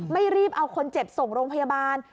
รีบเอาคนเจ็บส่งโรงพยาบาล